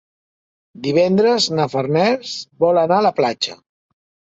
Divendres na Farners vol anar a la platja.